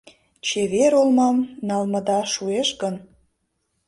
Чевер олмам налмыда шуэш гын